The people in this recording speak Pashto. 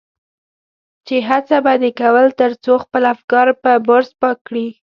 چې هڅه به دې کول تر څو خپل افکار په برس پاک کړي.